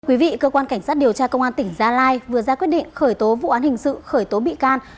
quý vị cơ quan cảnh sát điều tra công an tỉnh gia lai vừa ra quyết định khởi tố vụ án hình sự khởi tố bị can